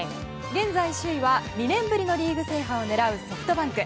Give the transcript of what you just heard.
現在、首位は２年ぶりのリーグ制覇を狙うソフトバンク。